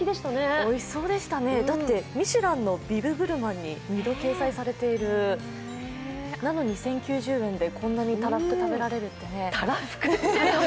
おいしそうでしたね、だってミシュランの「ビルグルマン」に２度掲載されている、なのに１０９０円でこんなにたらふく食べられるってね。